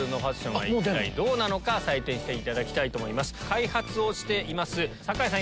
開発をしています酒井さん